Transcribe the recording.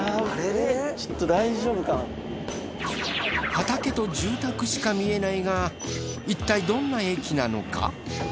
畑と住宅しか見えないがいったいどんな駅なのか？